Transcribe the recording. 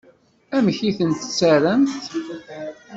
Amek i tent-terramt?